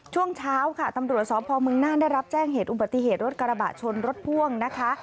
ช่วงเช้าค่ะตำรวจสพมน่านได้รับแจ้งเหตุอุบัติเหตุรถกระบะชนรถพ่วงนะคะ